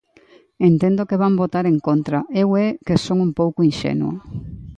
Entendo que van votar en contra, eu é que son un pouco inxenuo.